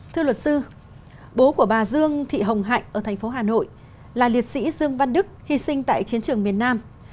thưa luật sư bố của bà dương thị hồng hạnh ở thành phố hà nội là liệt sĩ dương văn đức hy sinh tại chiến trường miền nam